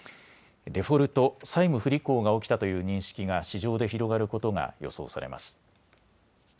デフォルト・債務不履行が起きたという認識が市場で広がることが予想されます。